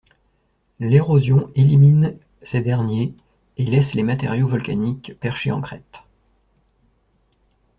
L'érosion élimine ces derniers et laisse les matériaux volcaniques perchés en crête.